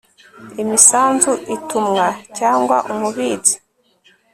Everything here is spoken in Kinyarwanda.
imisanzu intumwa cyangwa umubitsi